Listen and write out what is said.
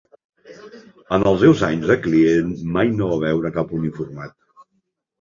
En els seus anys de client mai no hi va veure cap uniformat.